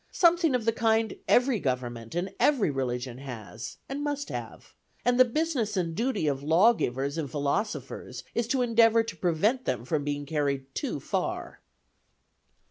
Something of the kind every government and every religion has, and must have; and the business and duty of lawgivers and philosophers is to endeavor to prevent them from being carried too far."